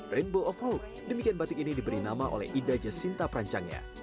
rainbow of hope demikian batik ini diberi nama oleh idaja sinta perancangnya